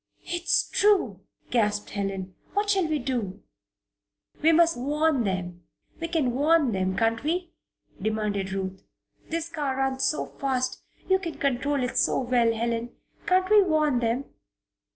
"It's true!" gasped Helen. "What shall we do?" "We must warn them we can warn them, can't we?" demanded Ruth. "This car runs so fast you control it so well, Helen. Can't we warn them?"